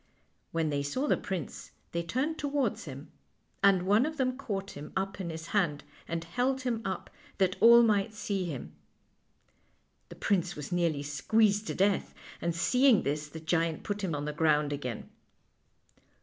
When they saw the prince they turned towards him, and one of them caught him up in his hand and held him up that all might see him. The prince was nearly squeezed to death, and seeing this the giant put him on the ground again.